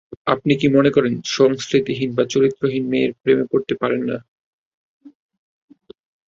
আপনি কি মনে করেন সংস্কৃতিহীন বা চরিত্রহীন মেয়ে প্রেমে পড়তে পারে না?